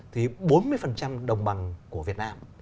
thì bốn mươi đồng bằng của việt nam